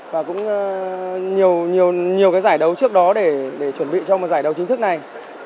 và cũng nhiều cái giải đấu trước đó để chuẩn bị cho một giải đấu chính thức này